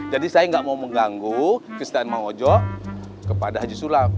jadi saya enggak mau mengganggu kesetiaan mang mojo kepada haji sulam